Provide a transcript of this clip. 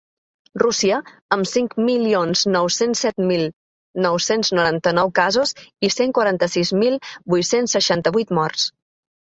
Rússia, amb cinc milions nou-cents set mil nou-cents noranta-nou casos i cent quaranta-sis mil vuit-cents seixanta-vuit morts.